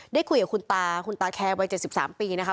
ได้คุยกับคุณตาคุณตาแคร์วัย๗๓ปีนะคะ